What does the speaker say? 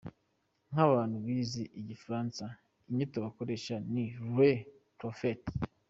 Nk’abantu bize igifaransa inyito bakoresheje ni “le prophete”.